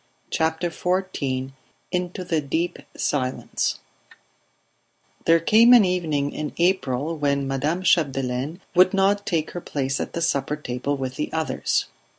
CHAPTER XIV INTO THE DEEP SILENCE There came an evening in April when Madame Chapdelaine would not take her place at the supper table with the others.